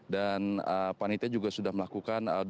dan panitia juga sudah melakukan latihan ringan